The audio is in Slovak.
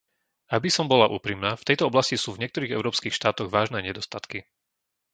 Aby som bola úprimná, v tejto oblasti sú v niektorých európskych štátoch vážne nedostatky.